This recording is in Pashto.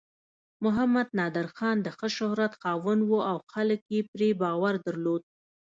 محمد نادر خان د ښه شهرت خاوند و او خلک یې پرې باور درلود.